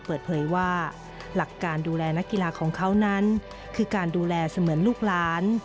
เปิดเผยว่าหลักการดูแลนักกีฬาของเขานั้นคือการดูแลเสมือนลูกหลาน